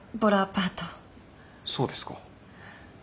そうですか。